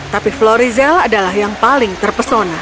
tapi flory zell adalah yang paling terpesona